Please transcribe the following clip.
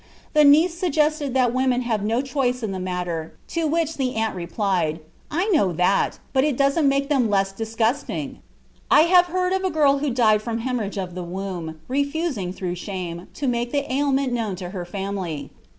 The niece suggested that women have no choice in the matter, to which the aunt replied: 'I know that; but it doesn't make them less disgusting,' I have heard of a girl who died from hæmorrhage of the womb, refusing, through shame, to make the ailment known to her family.